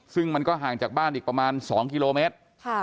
ซึ่งมันก็ห่างจากบ้านอีกประมาณ๒กิโลเมตร